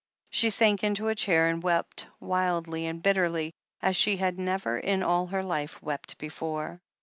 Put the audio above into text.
She sank into a chair and wept wildly and bitterly as she had never in all her life wept before.